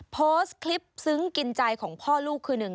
โพสต์คลิปซึ้งกินใจของพ่อลูกคือหนึ่ง